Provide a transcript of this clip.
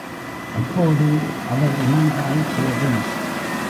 அப்போது அவர் உணர்ந்தால் போதும்.